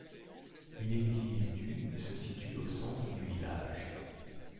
Une église du se situe au centre du village.